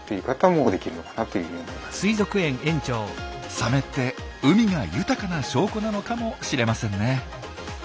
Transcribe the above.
サメって海が豊かな証拠なのかもしれませんね。